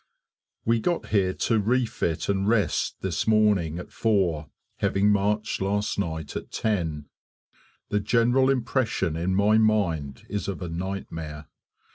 We got here to refit and rest this morning at 4, having marched last night at 10. The general impression in my mind is of a nightmare.